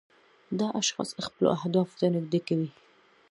دا اشخاص خپلو اهدافو ته نږدې کوي.